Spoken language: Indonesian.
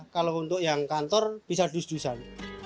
kalau untuk yang kantor bisa dus dusan